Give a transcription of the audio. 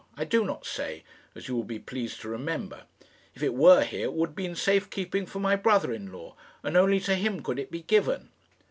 I do not say as you will be pleased to remember. If it were here it would be in safe keeping for my brother in law, and only to him could it be given."